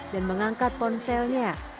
dan mengangkat ponselnya